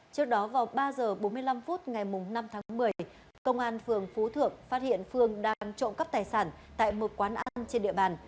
trước đó vào ba h bốn mươi năm phút ngày năm tháng một mươi công an phường phú thượng phát hiện phương đang trộm cắp tài sản tại một quán ăn trên địa bàn